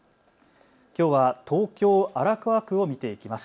きょうは東京荒川区を見ていきます。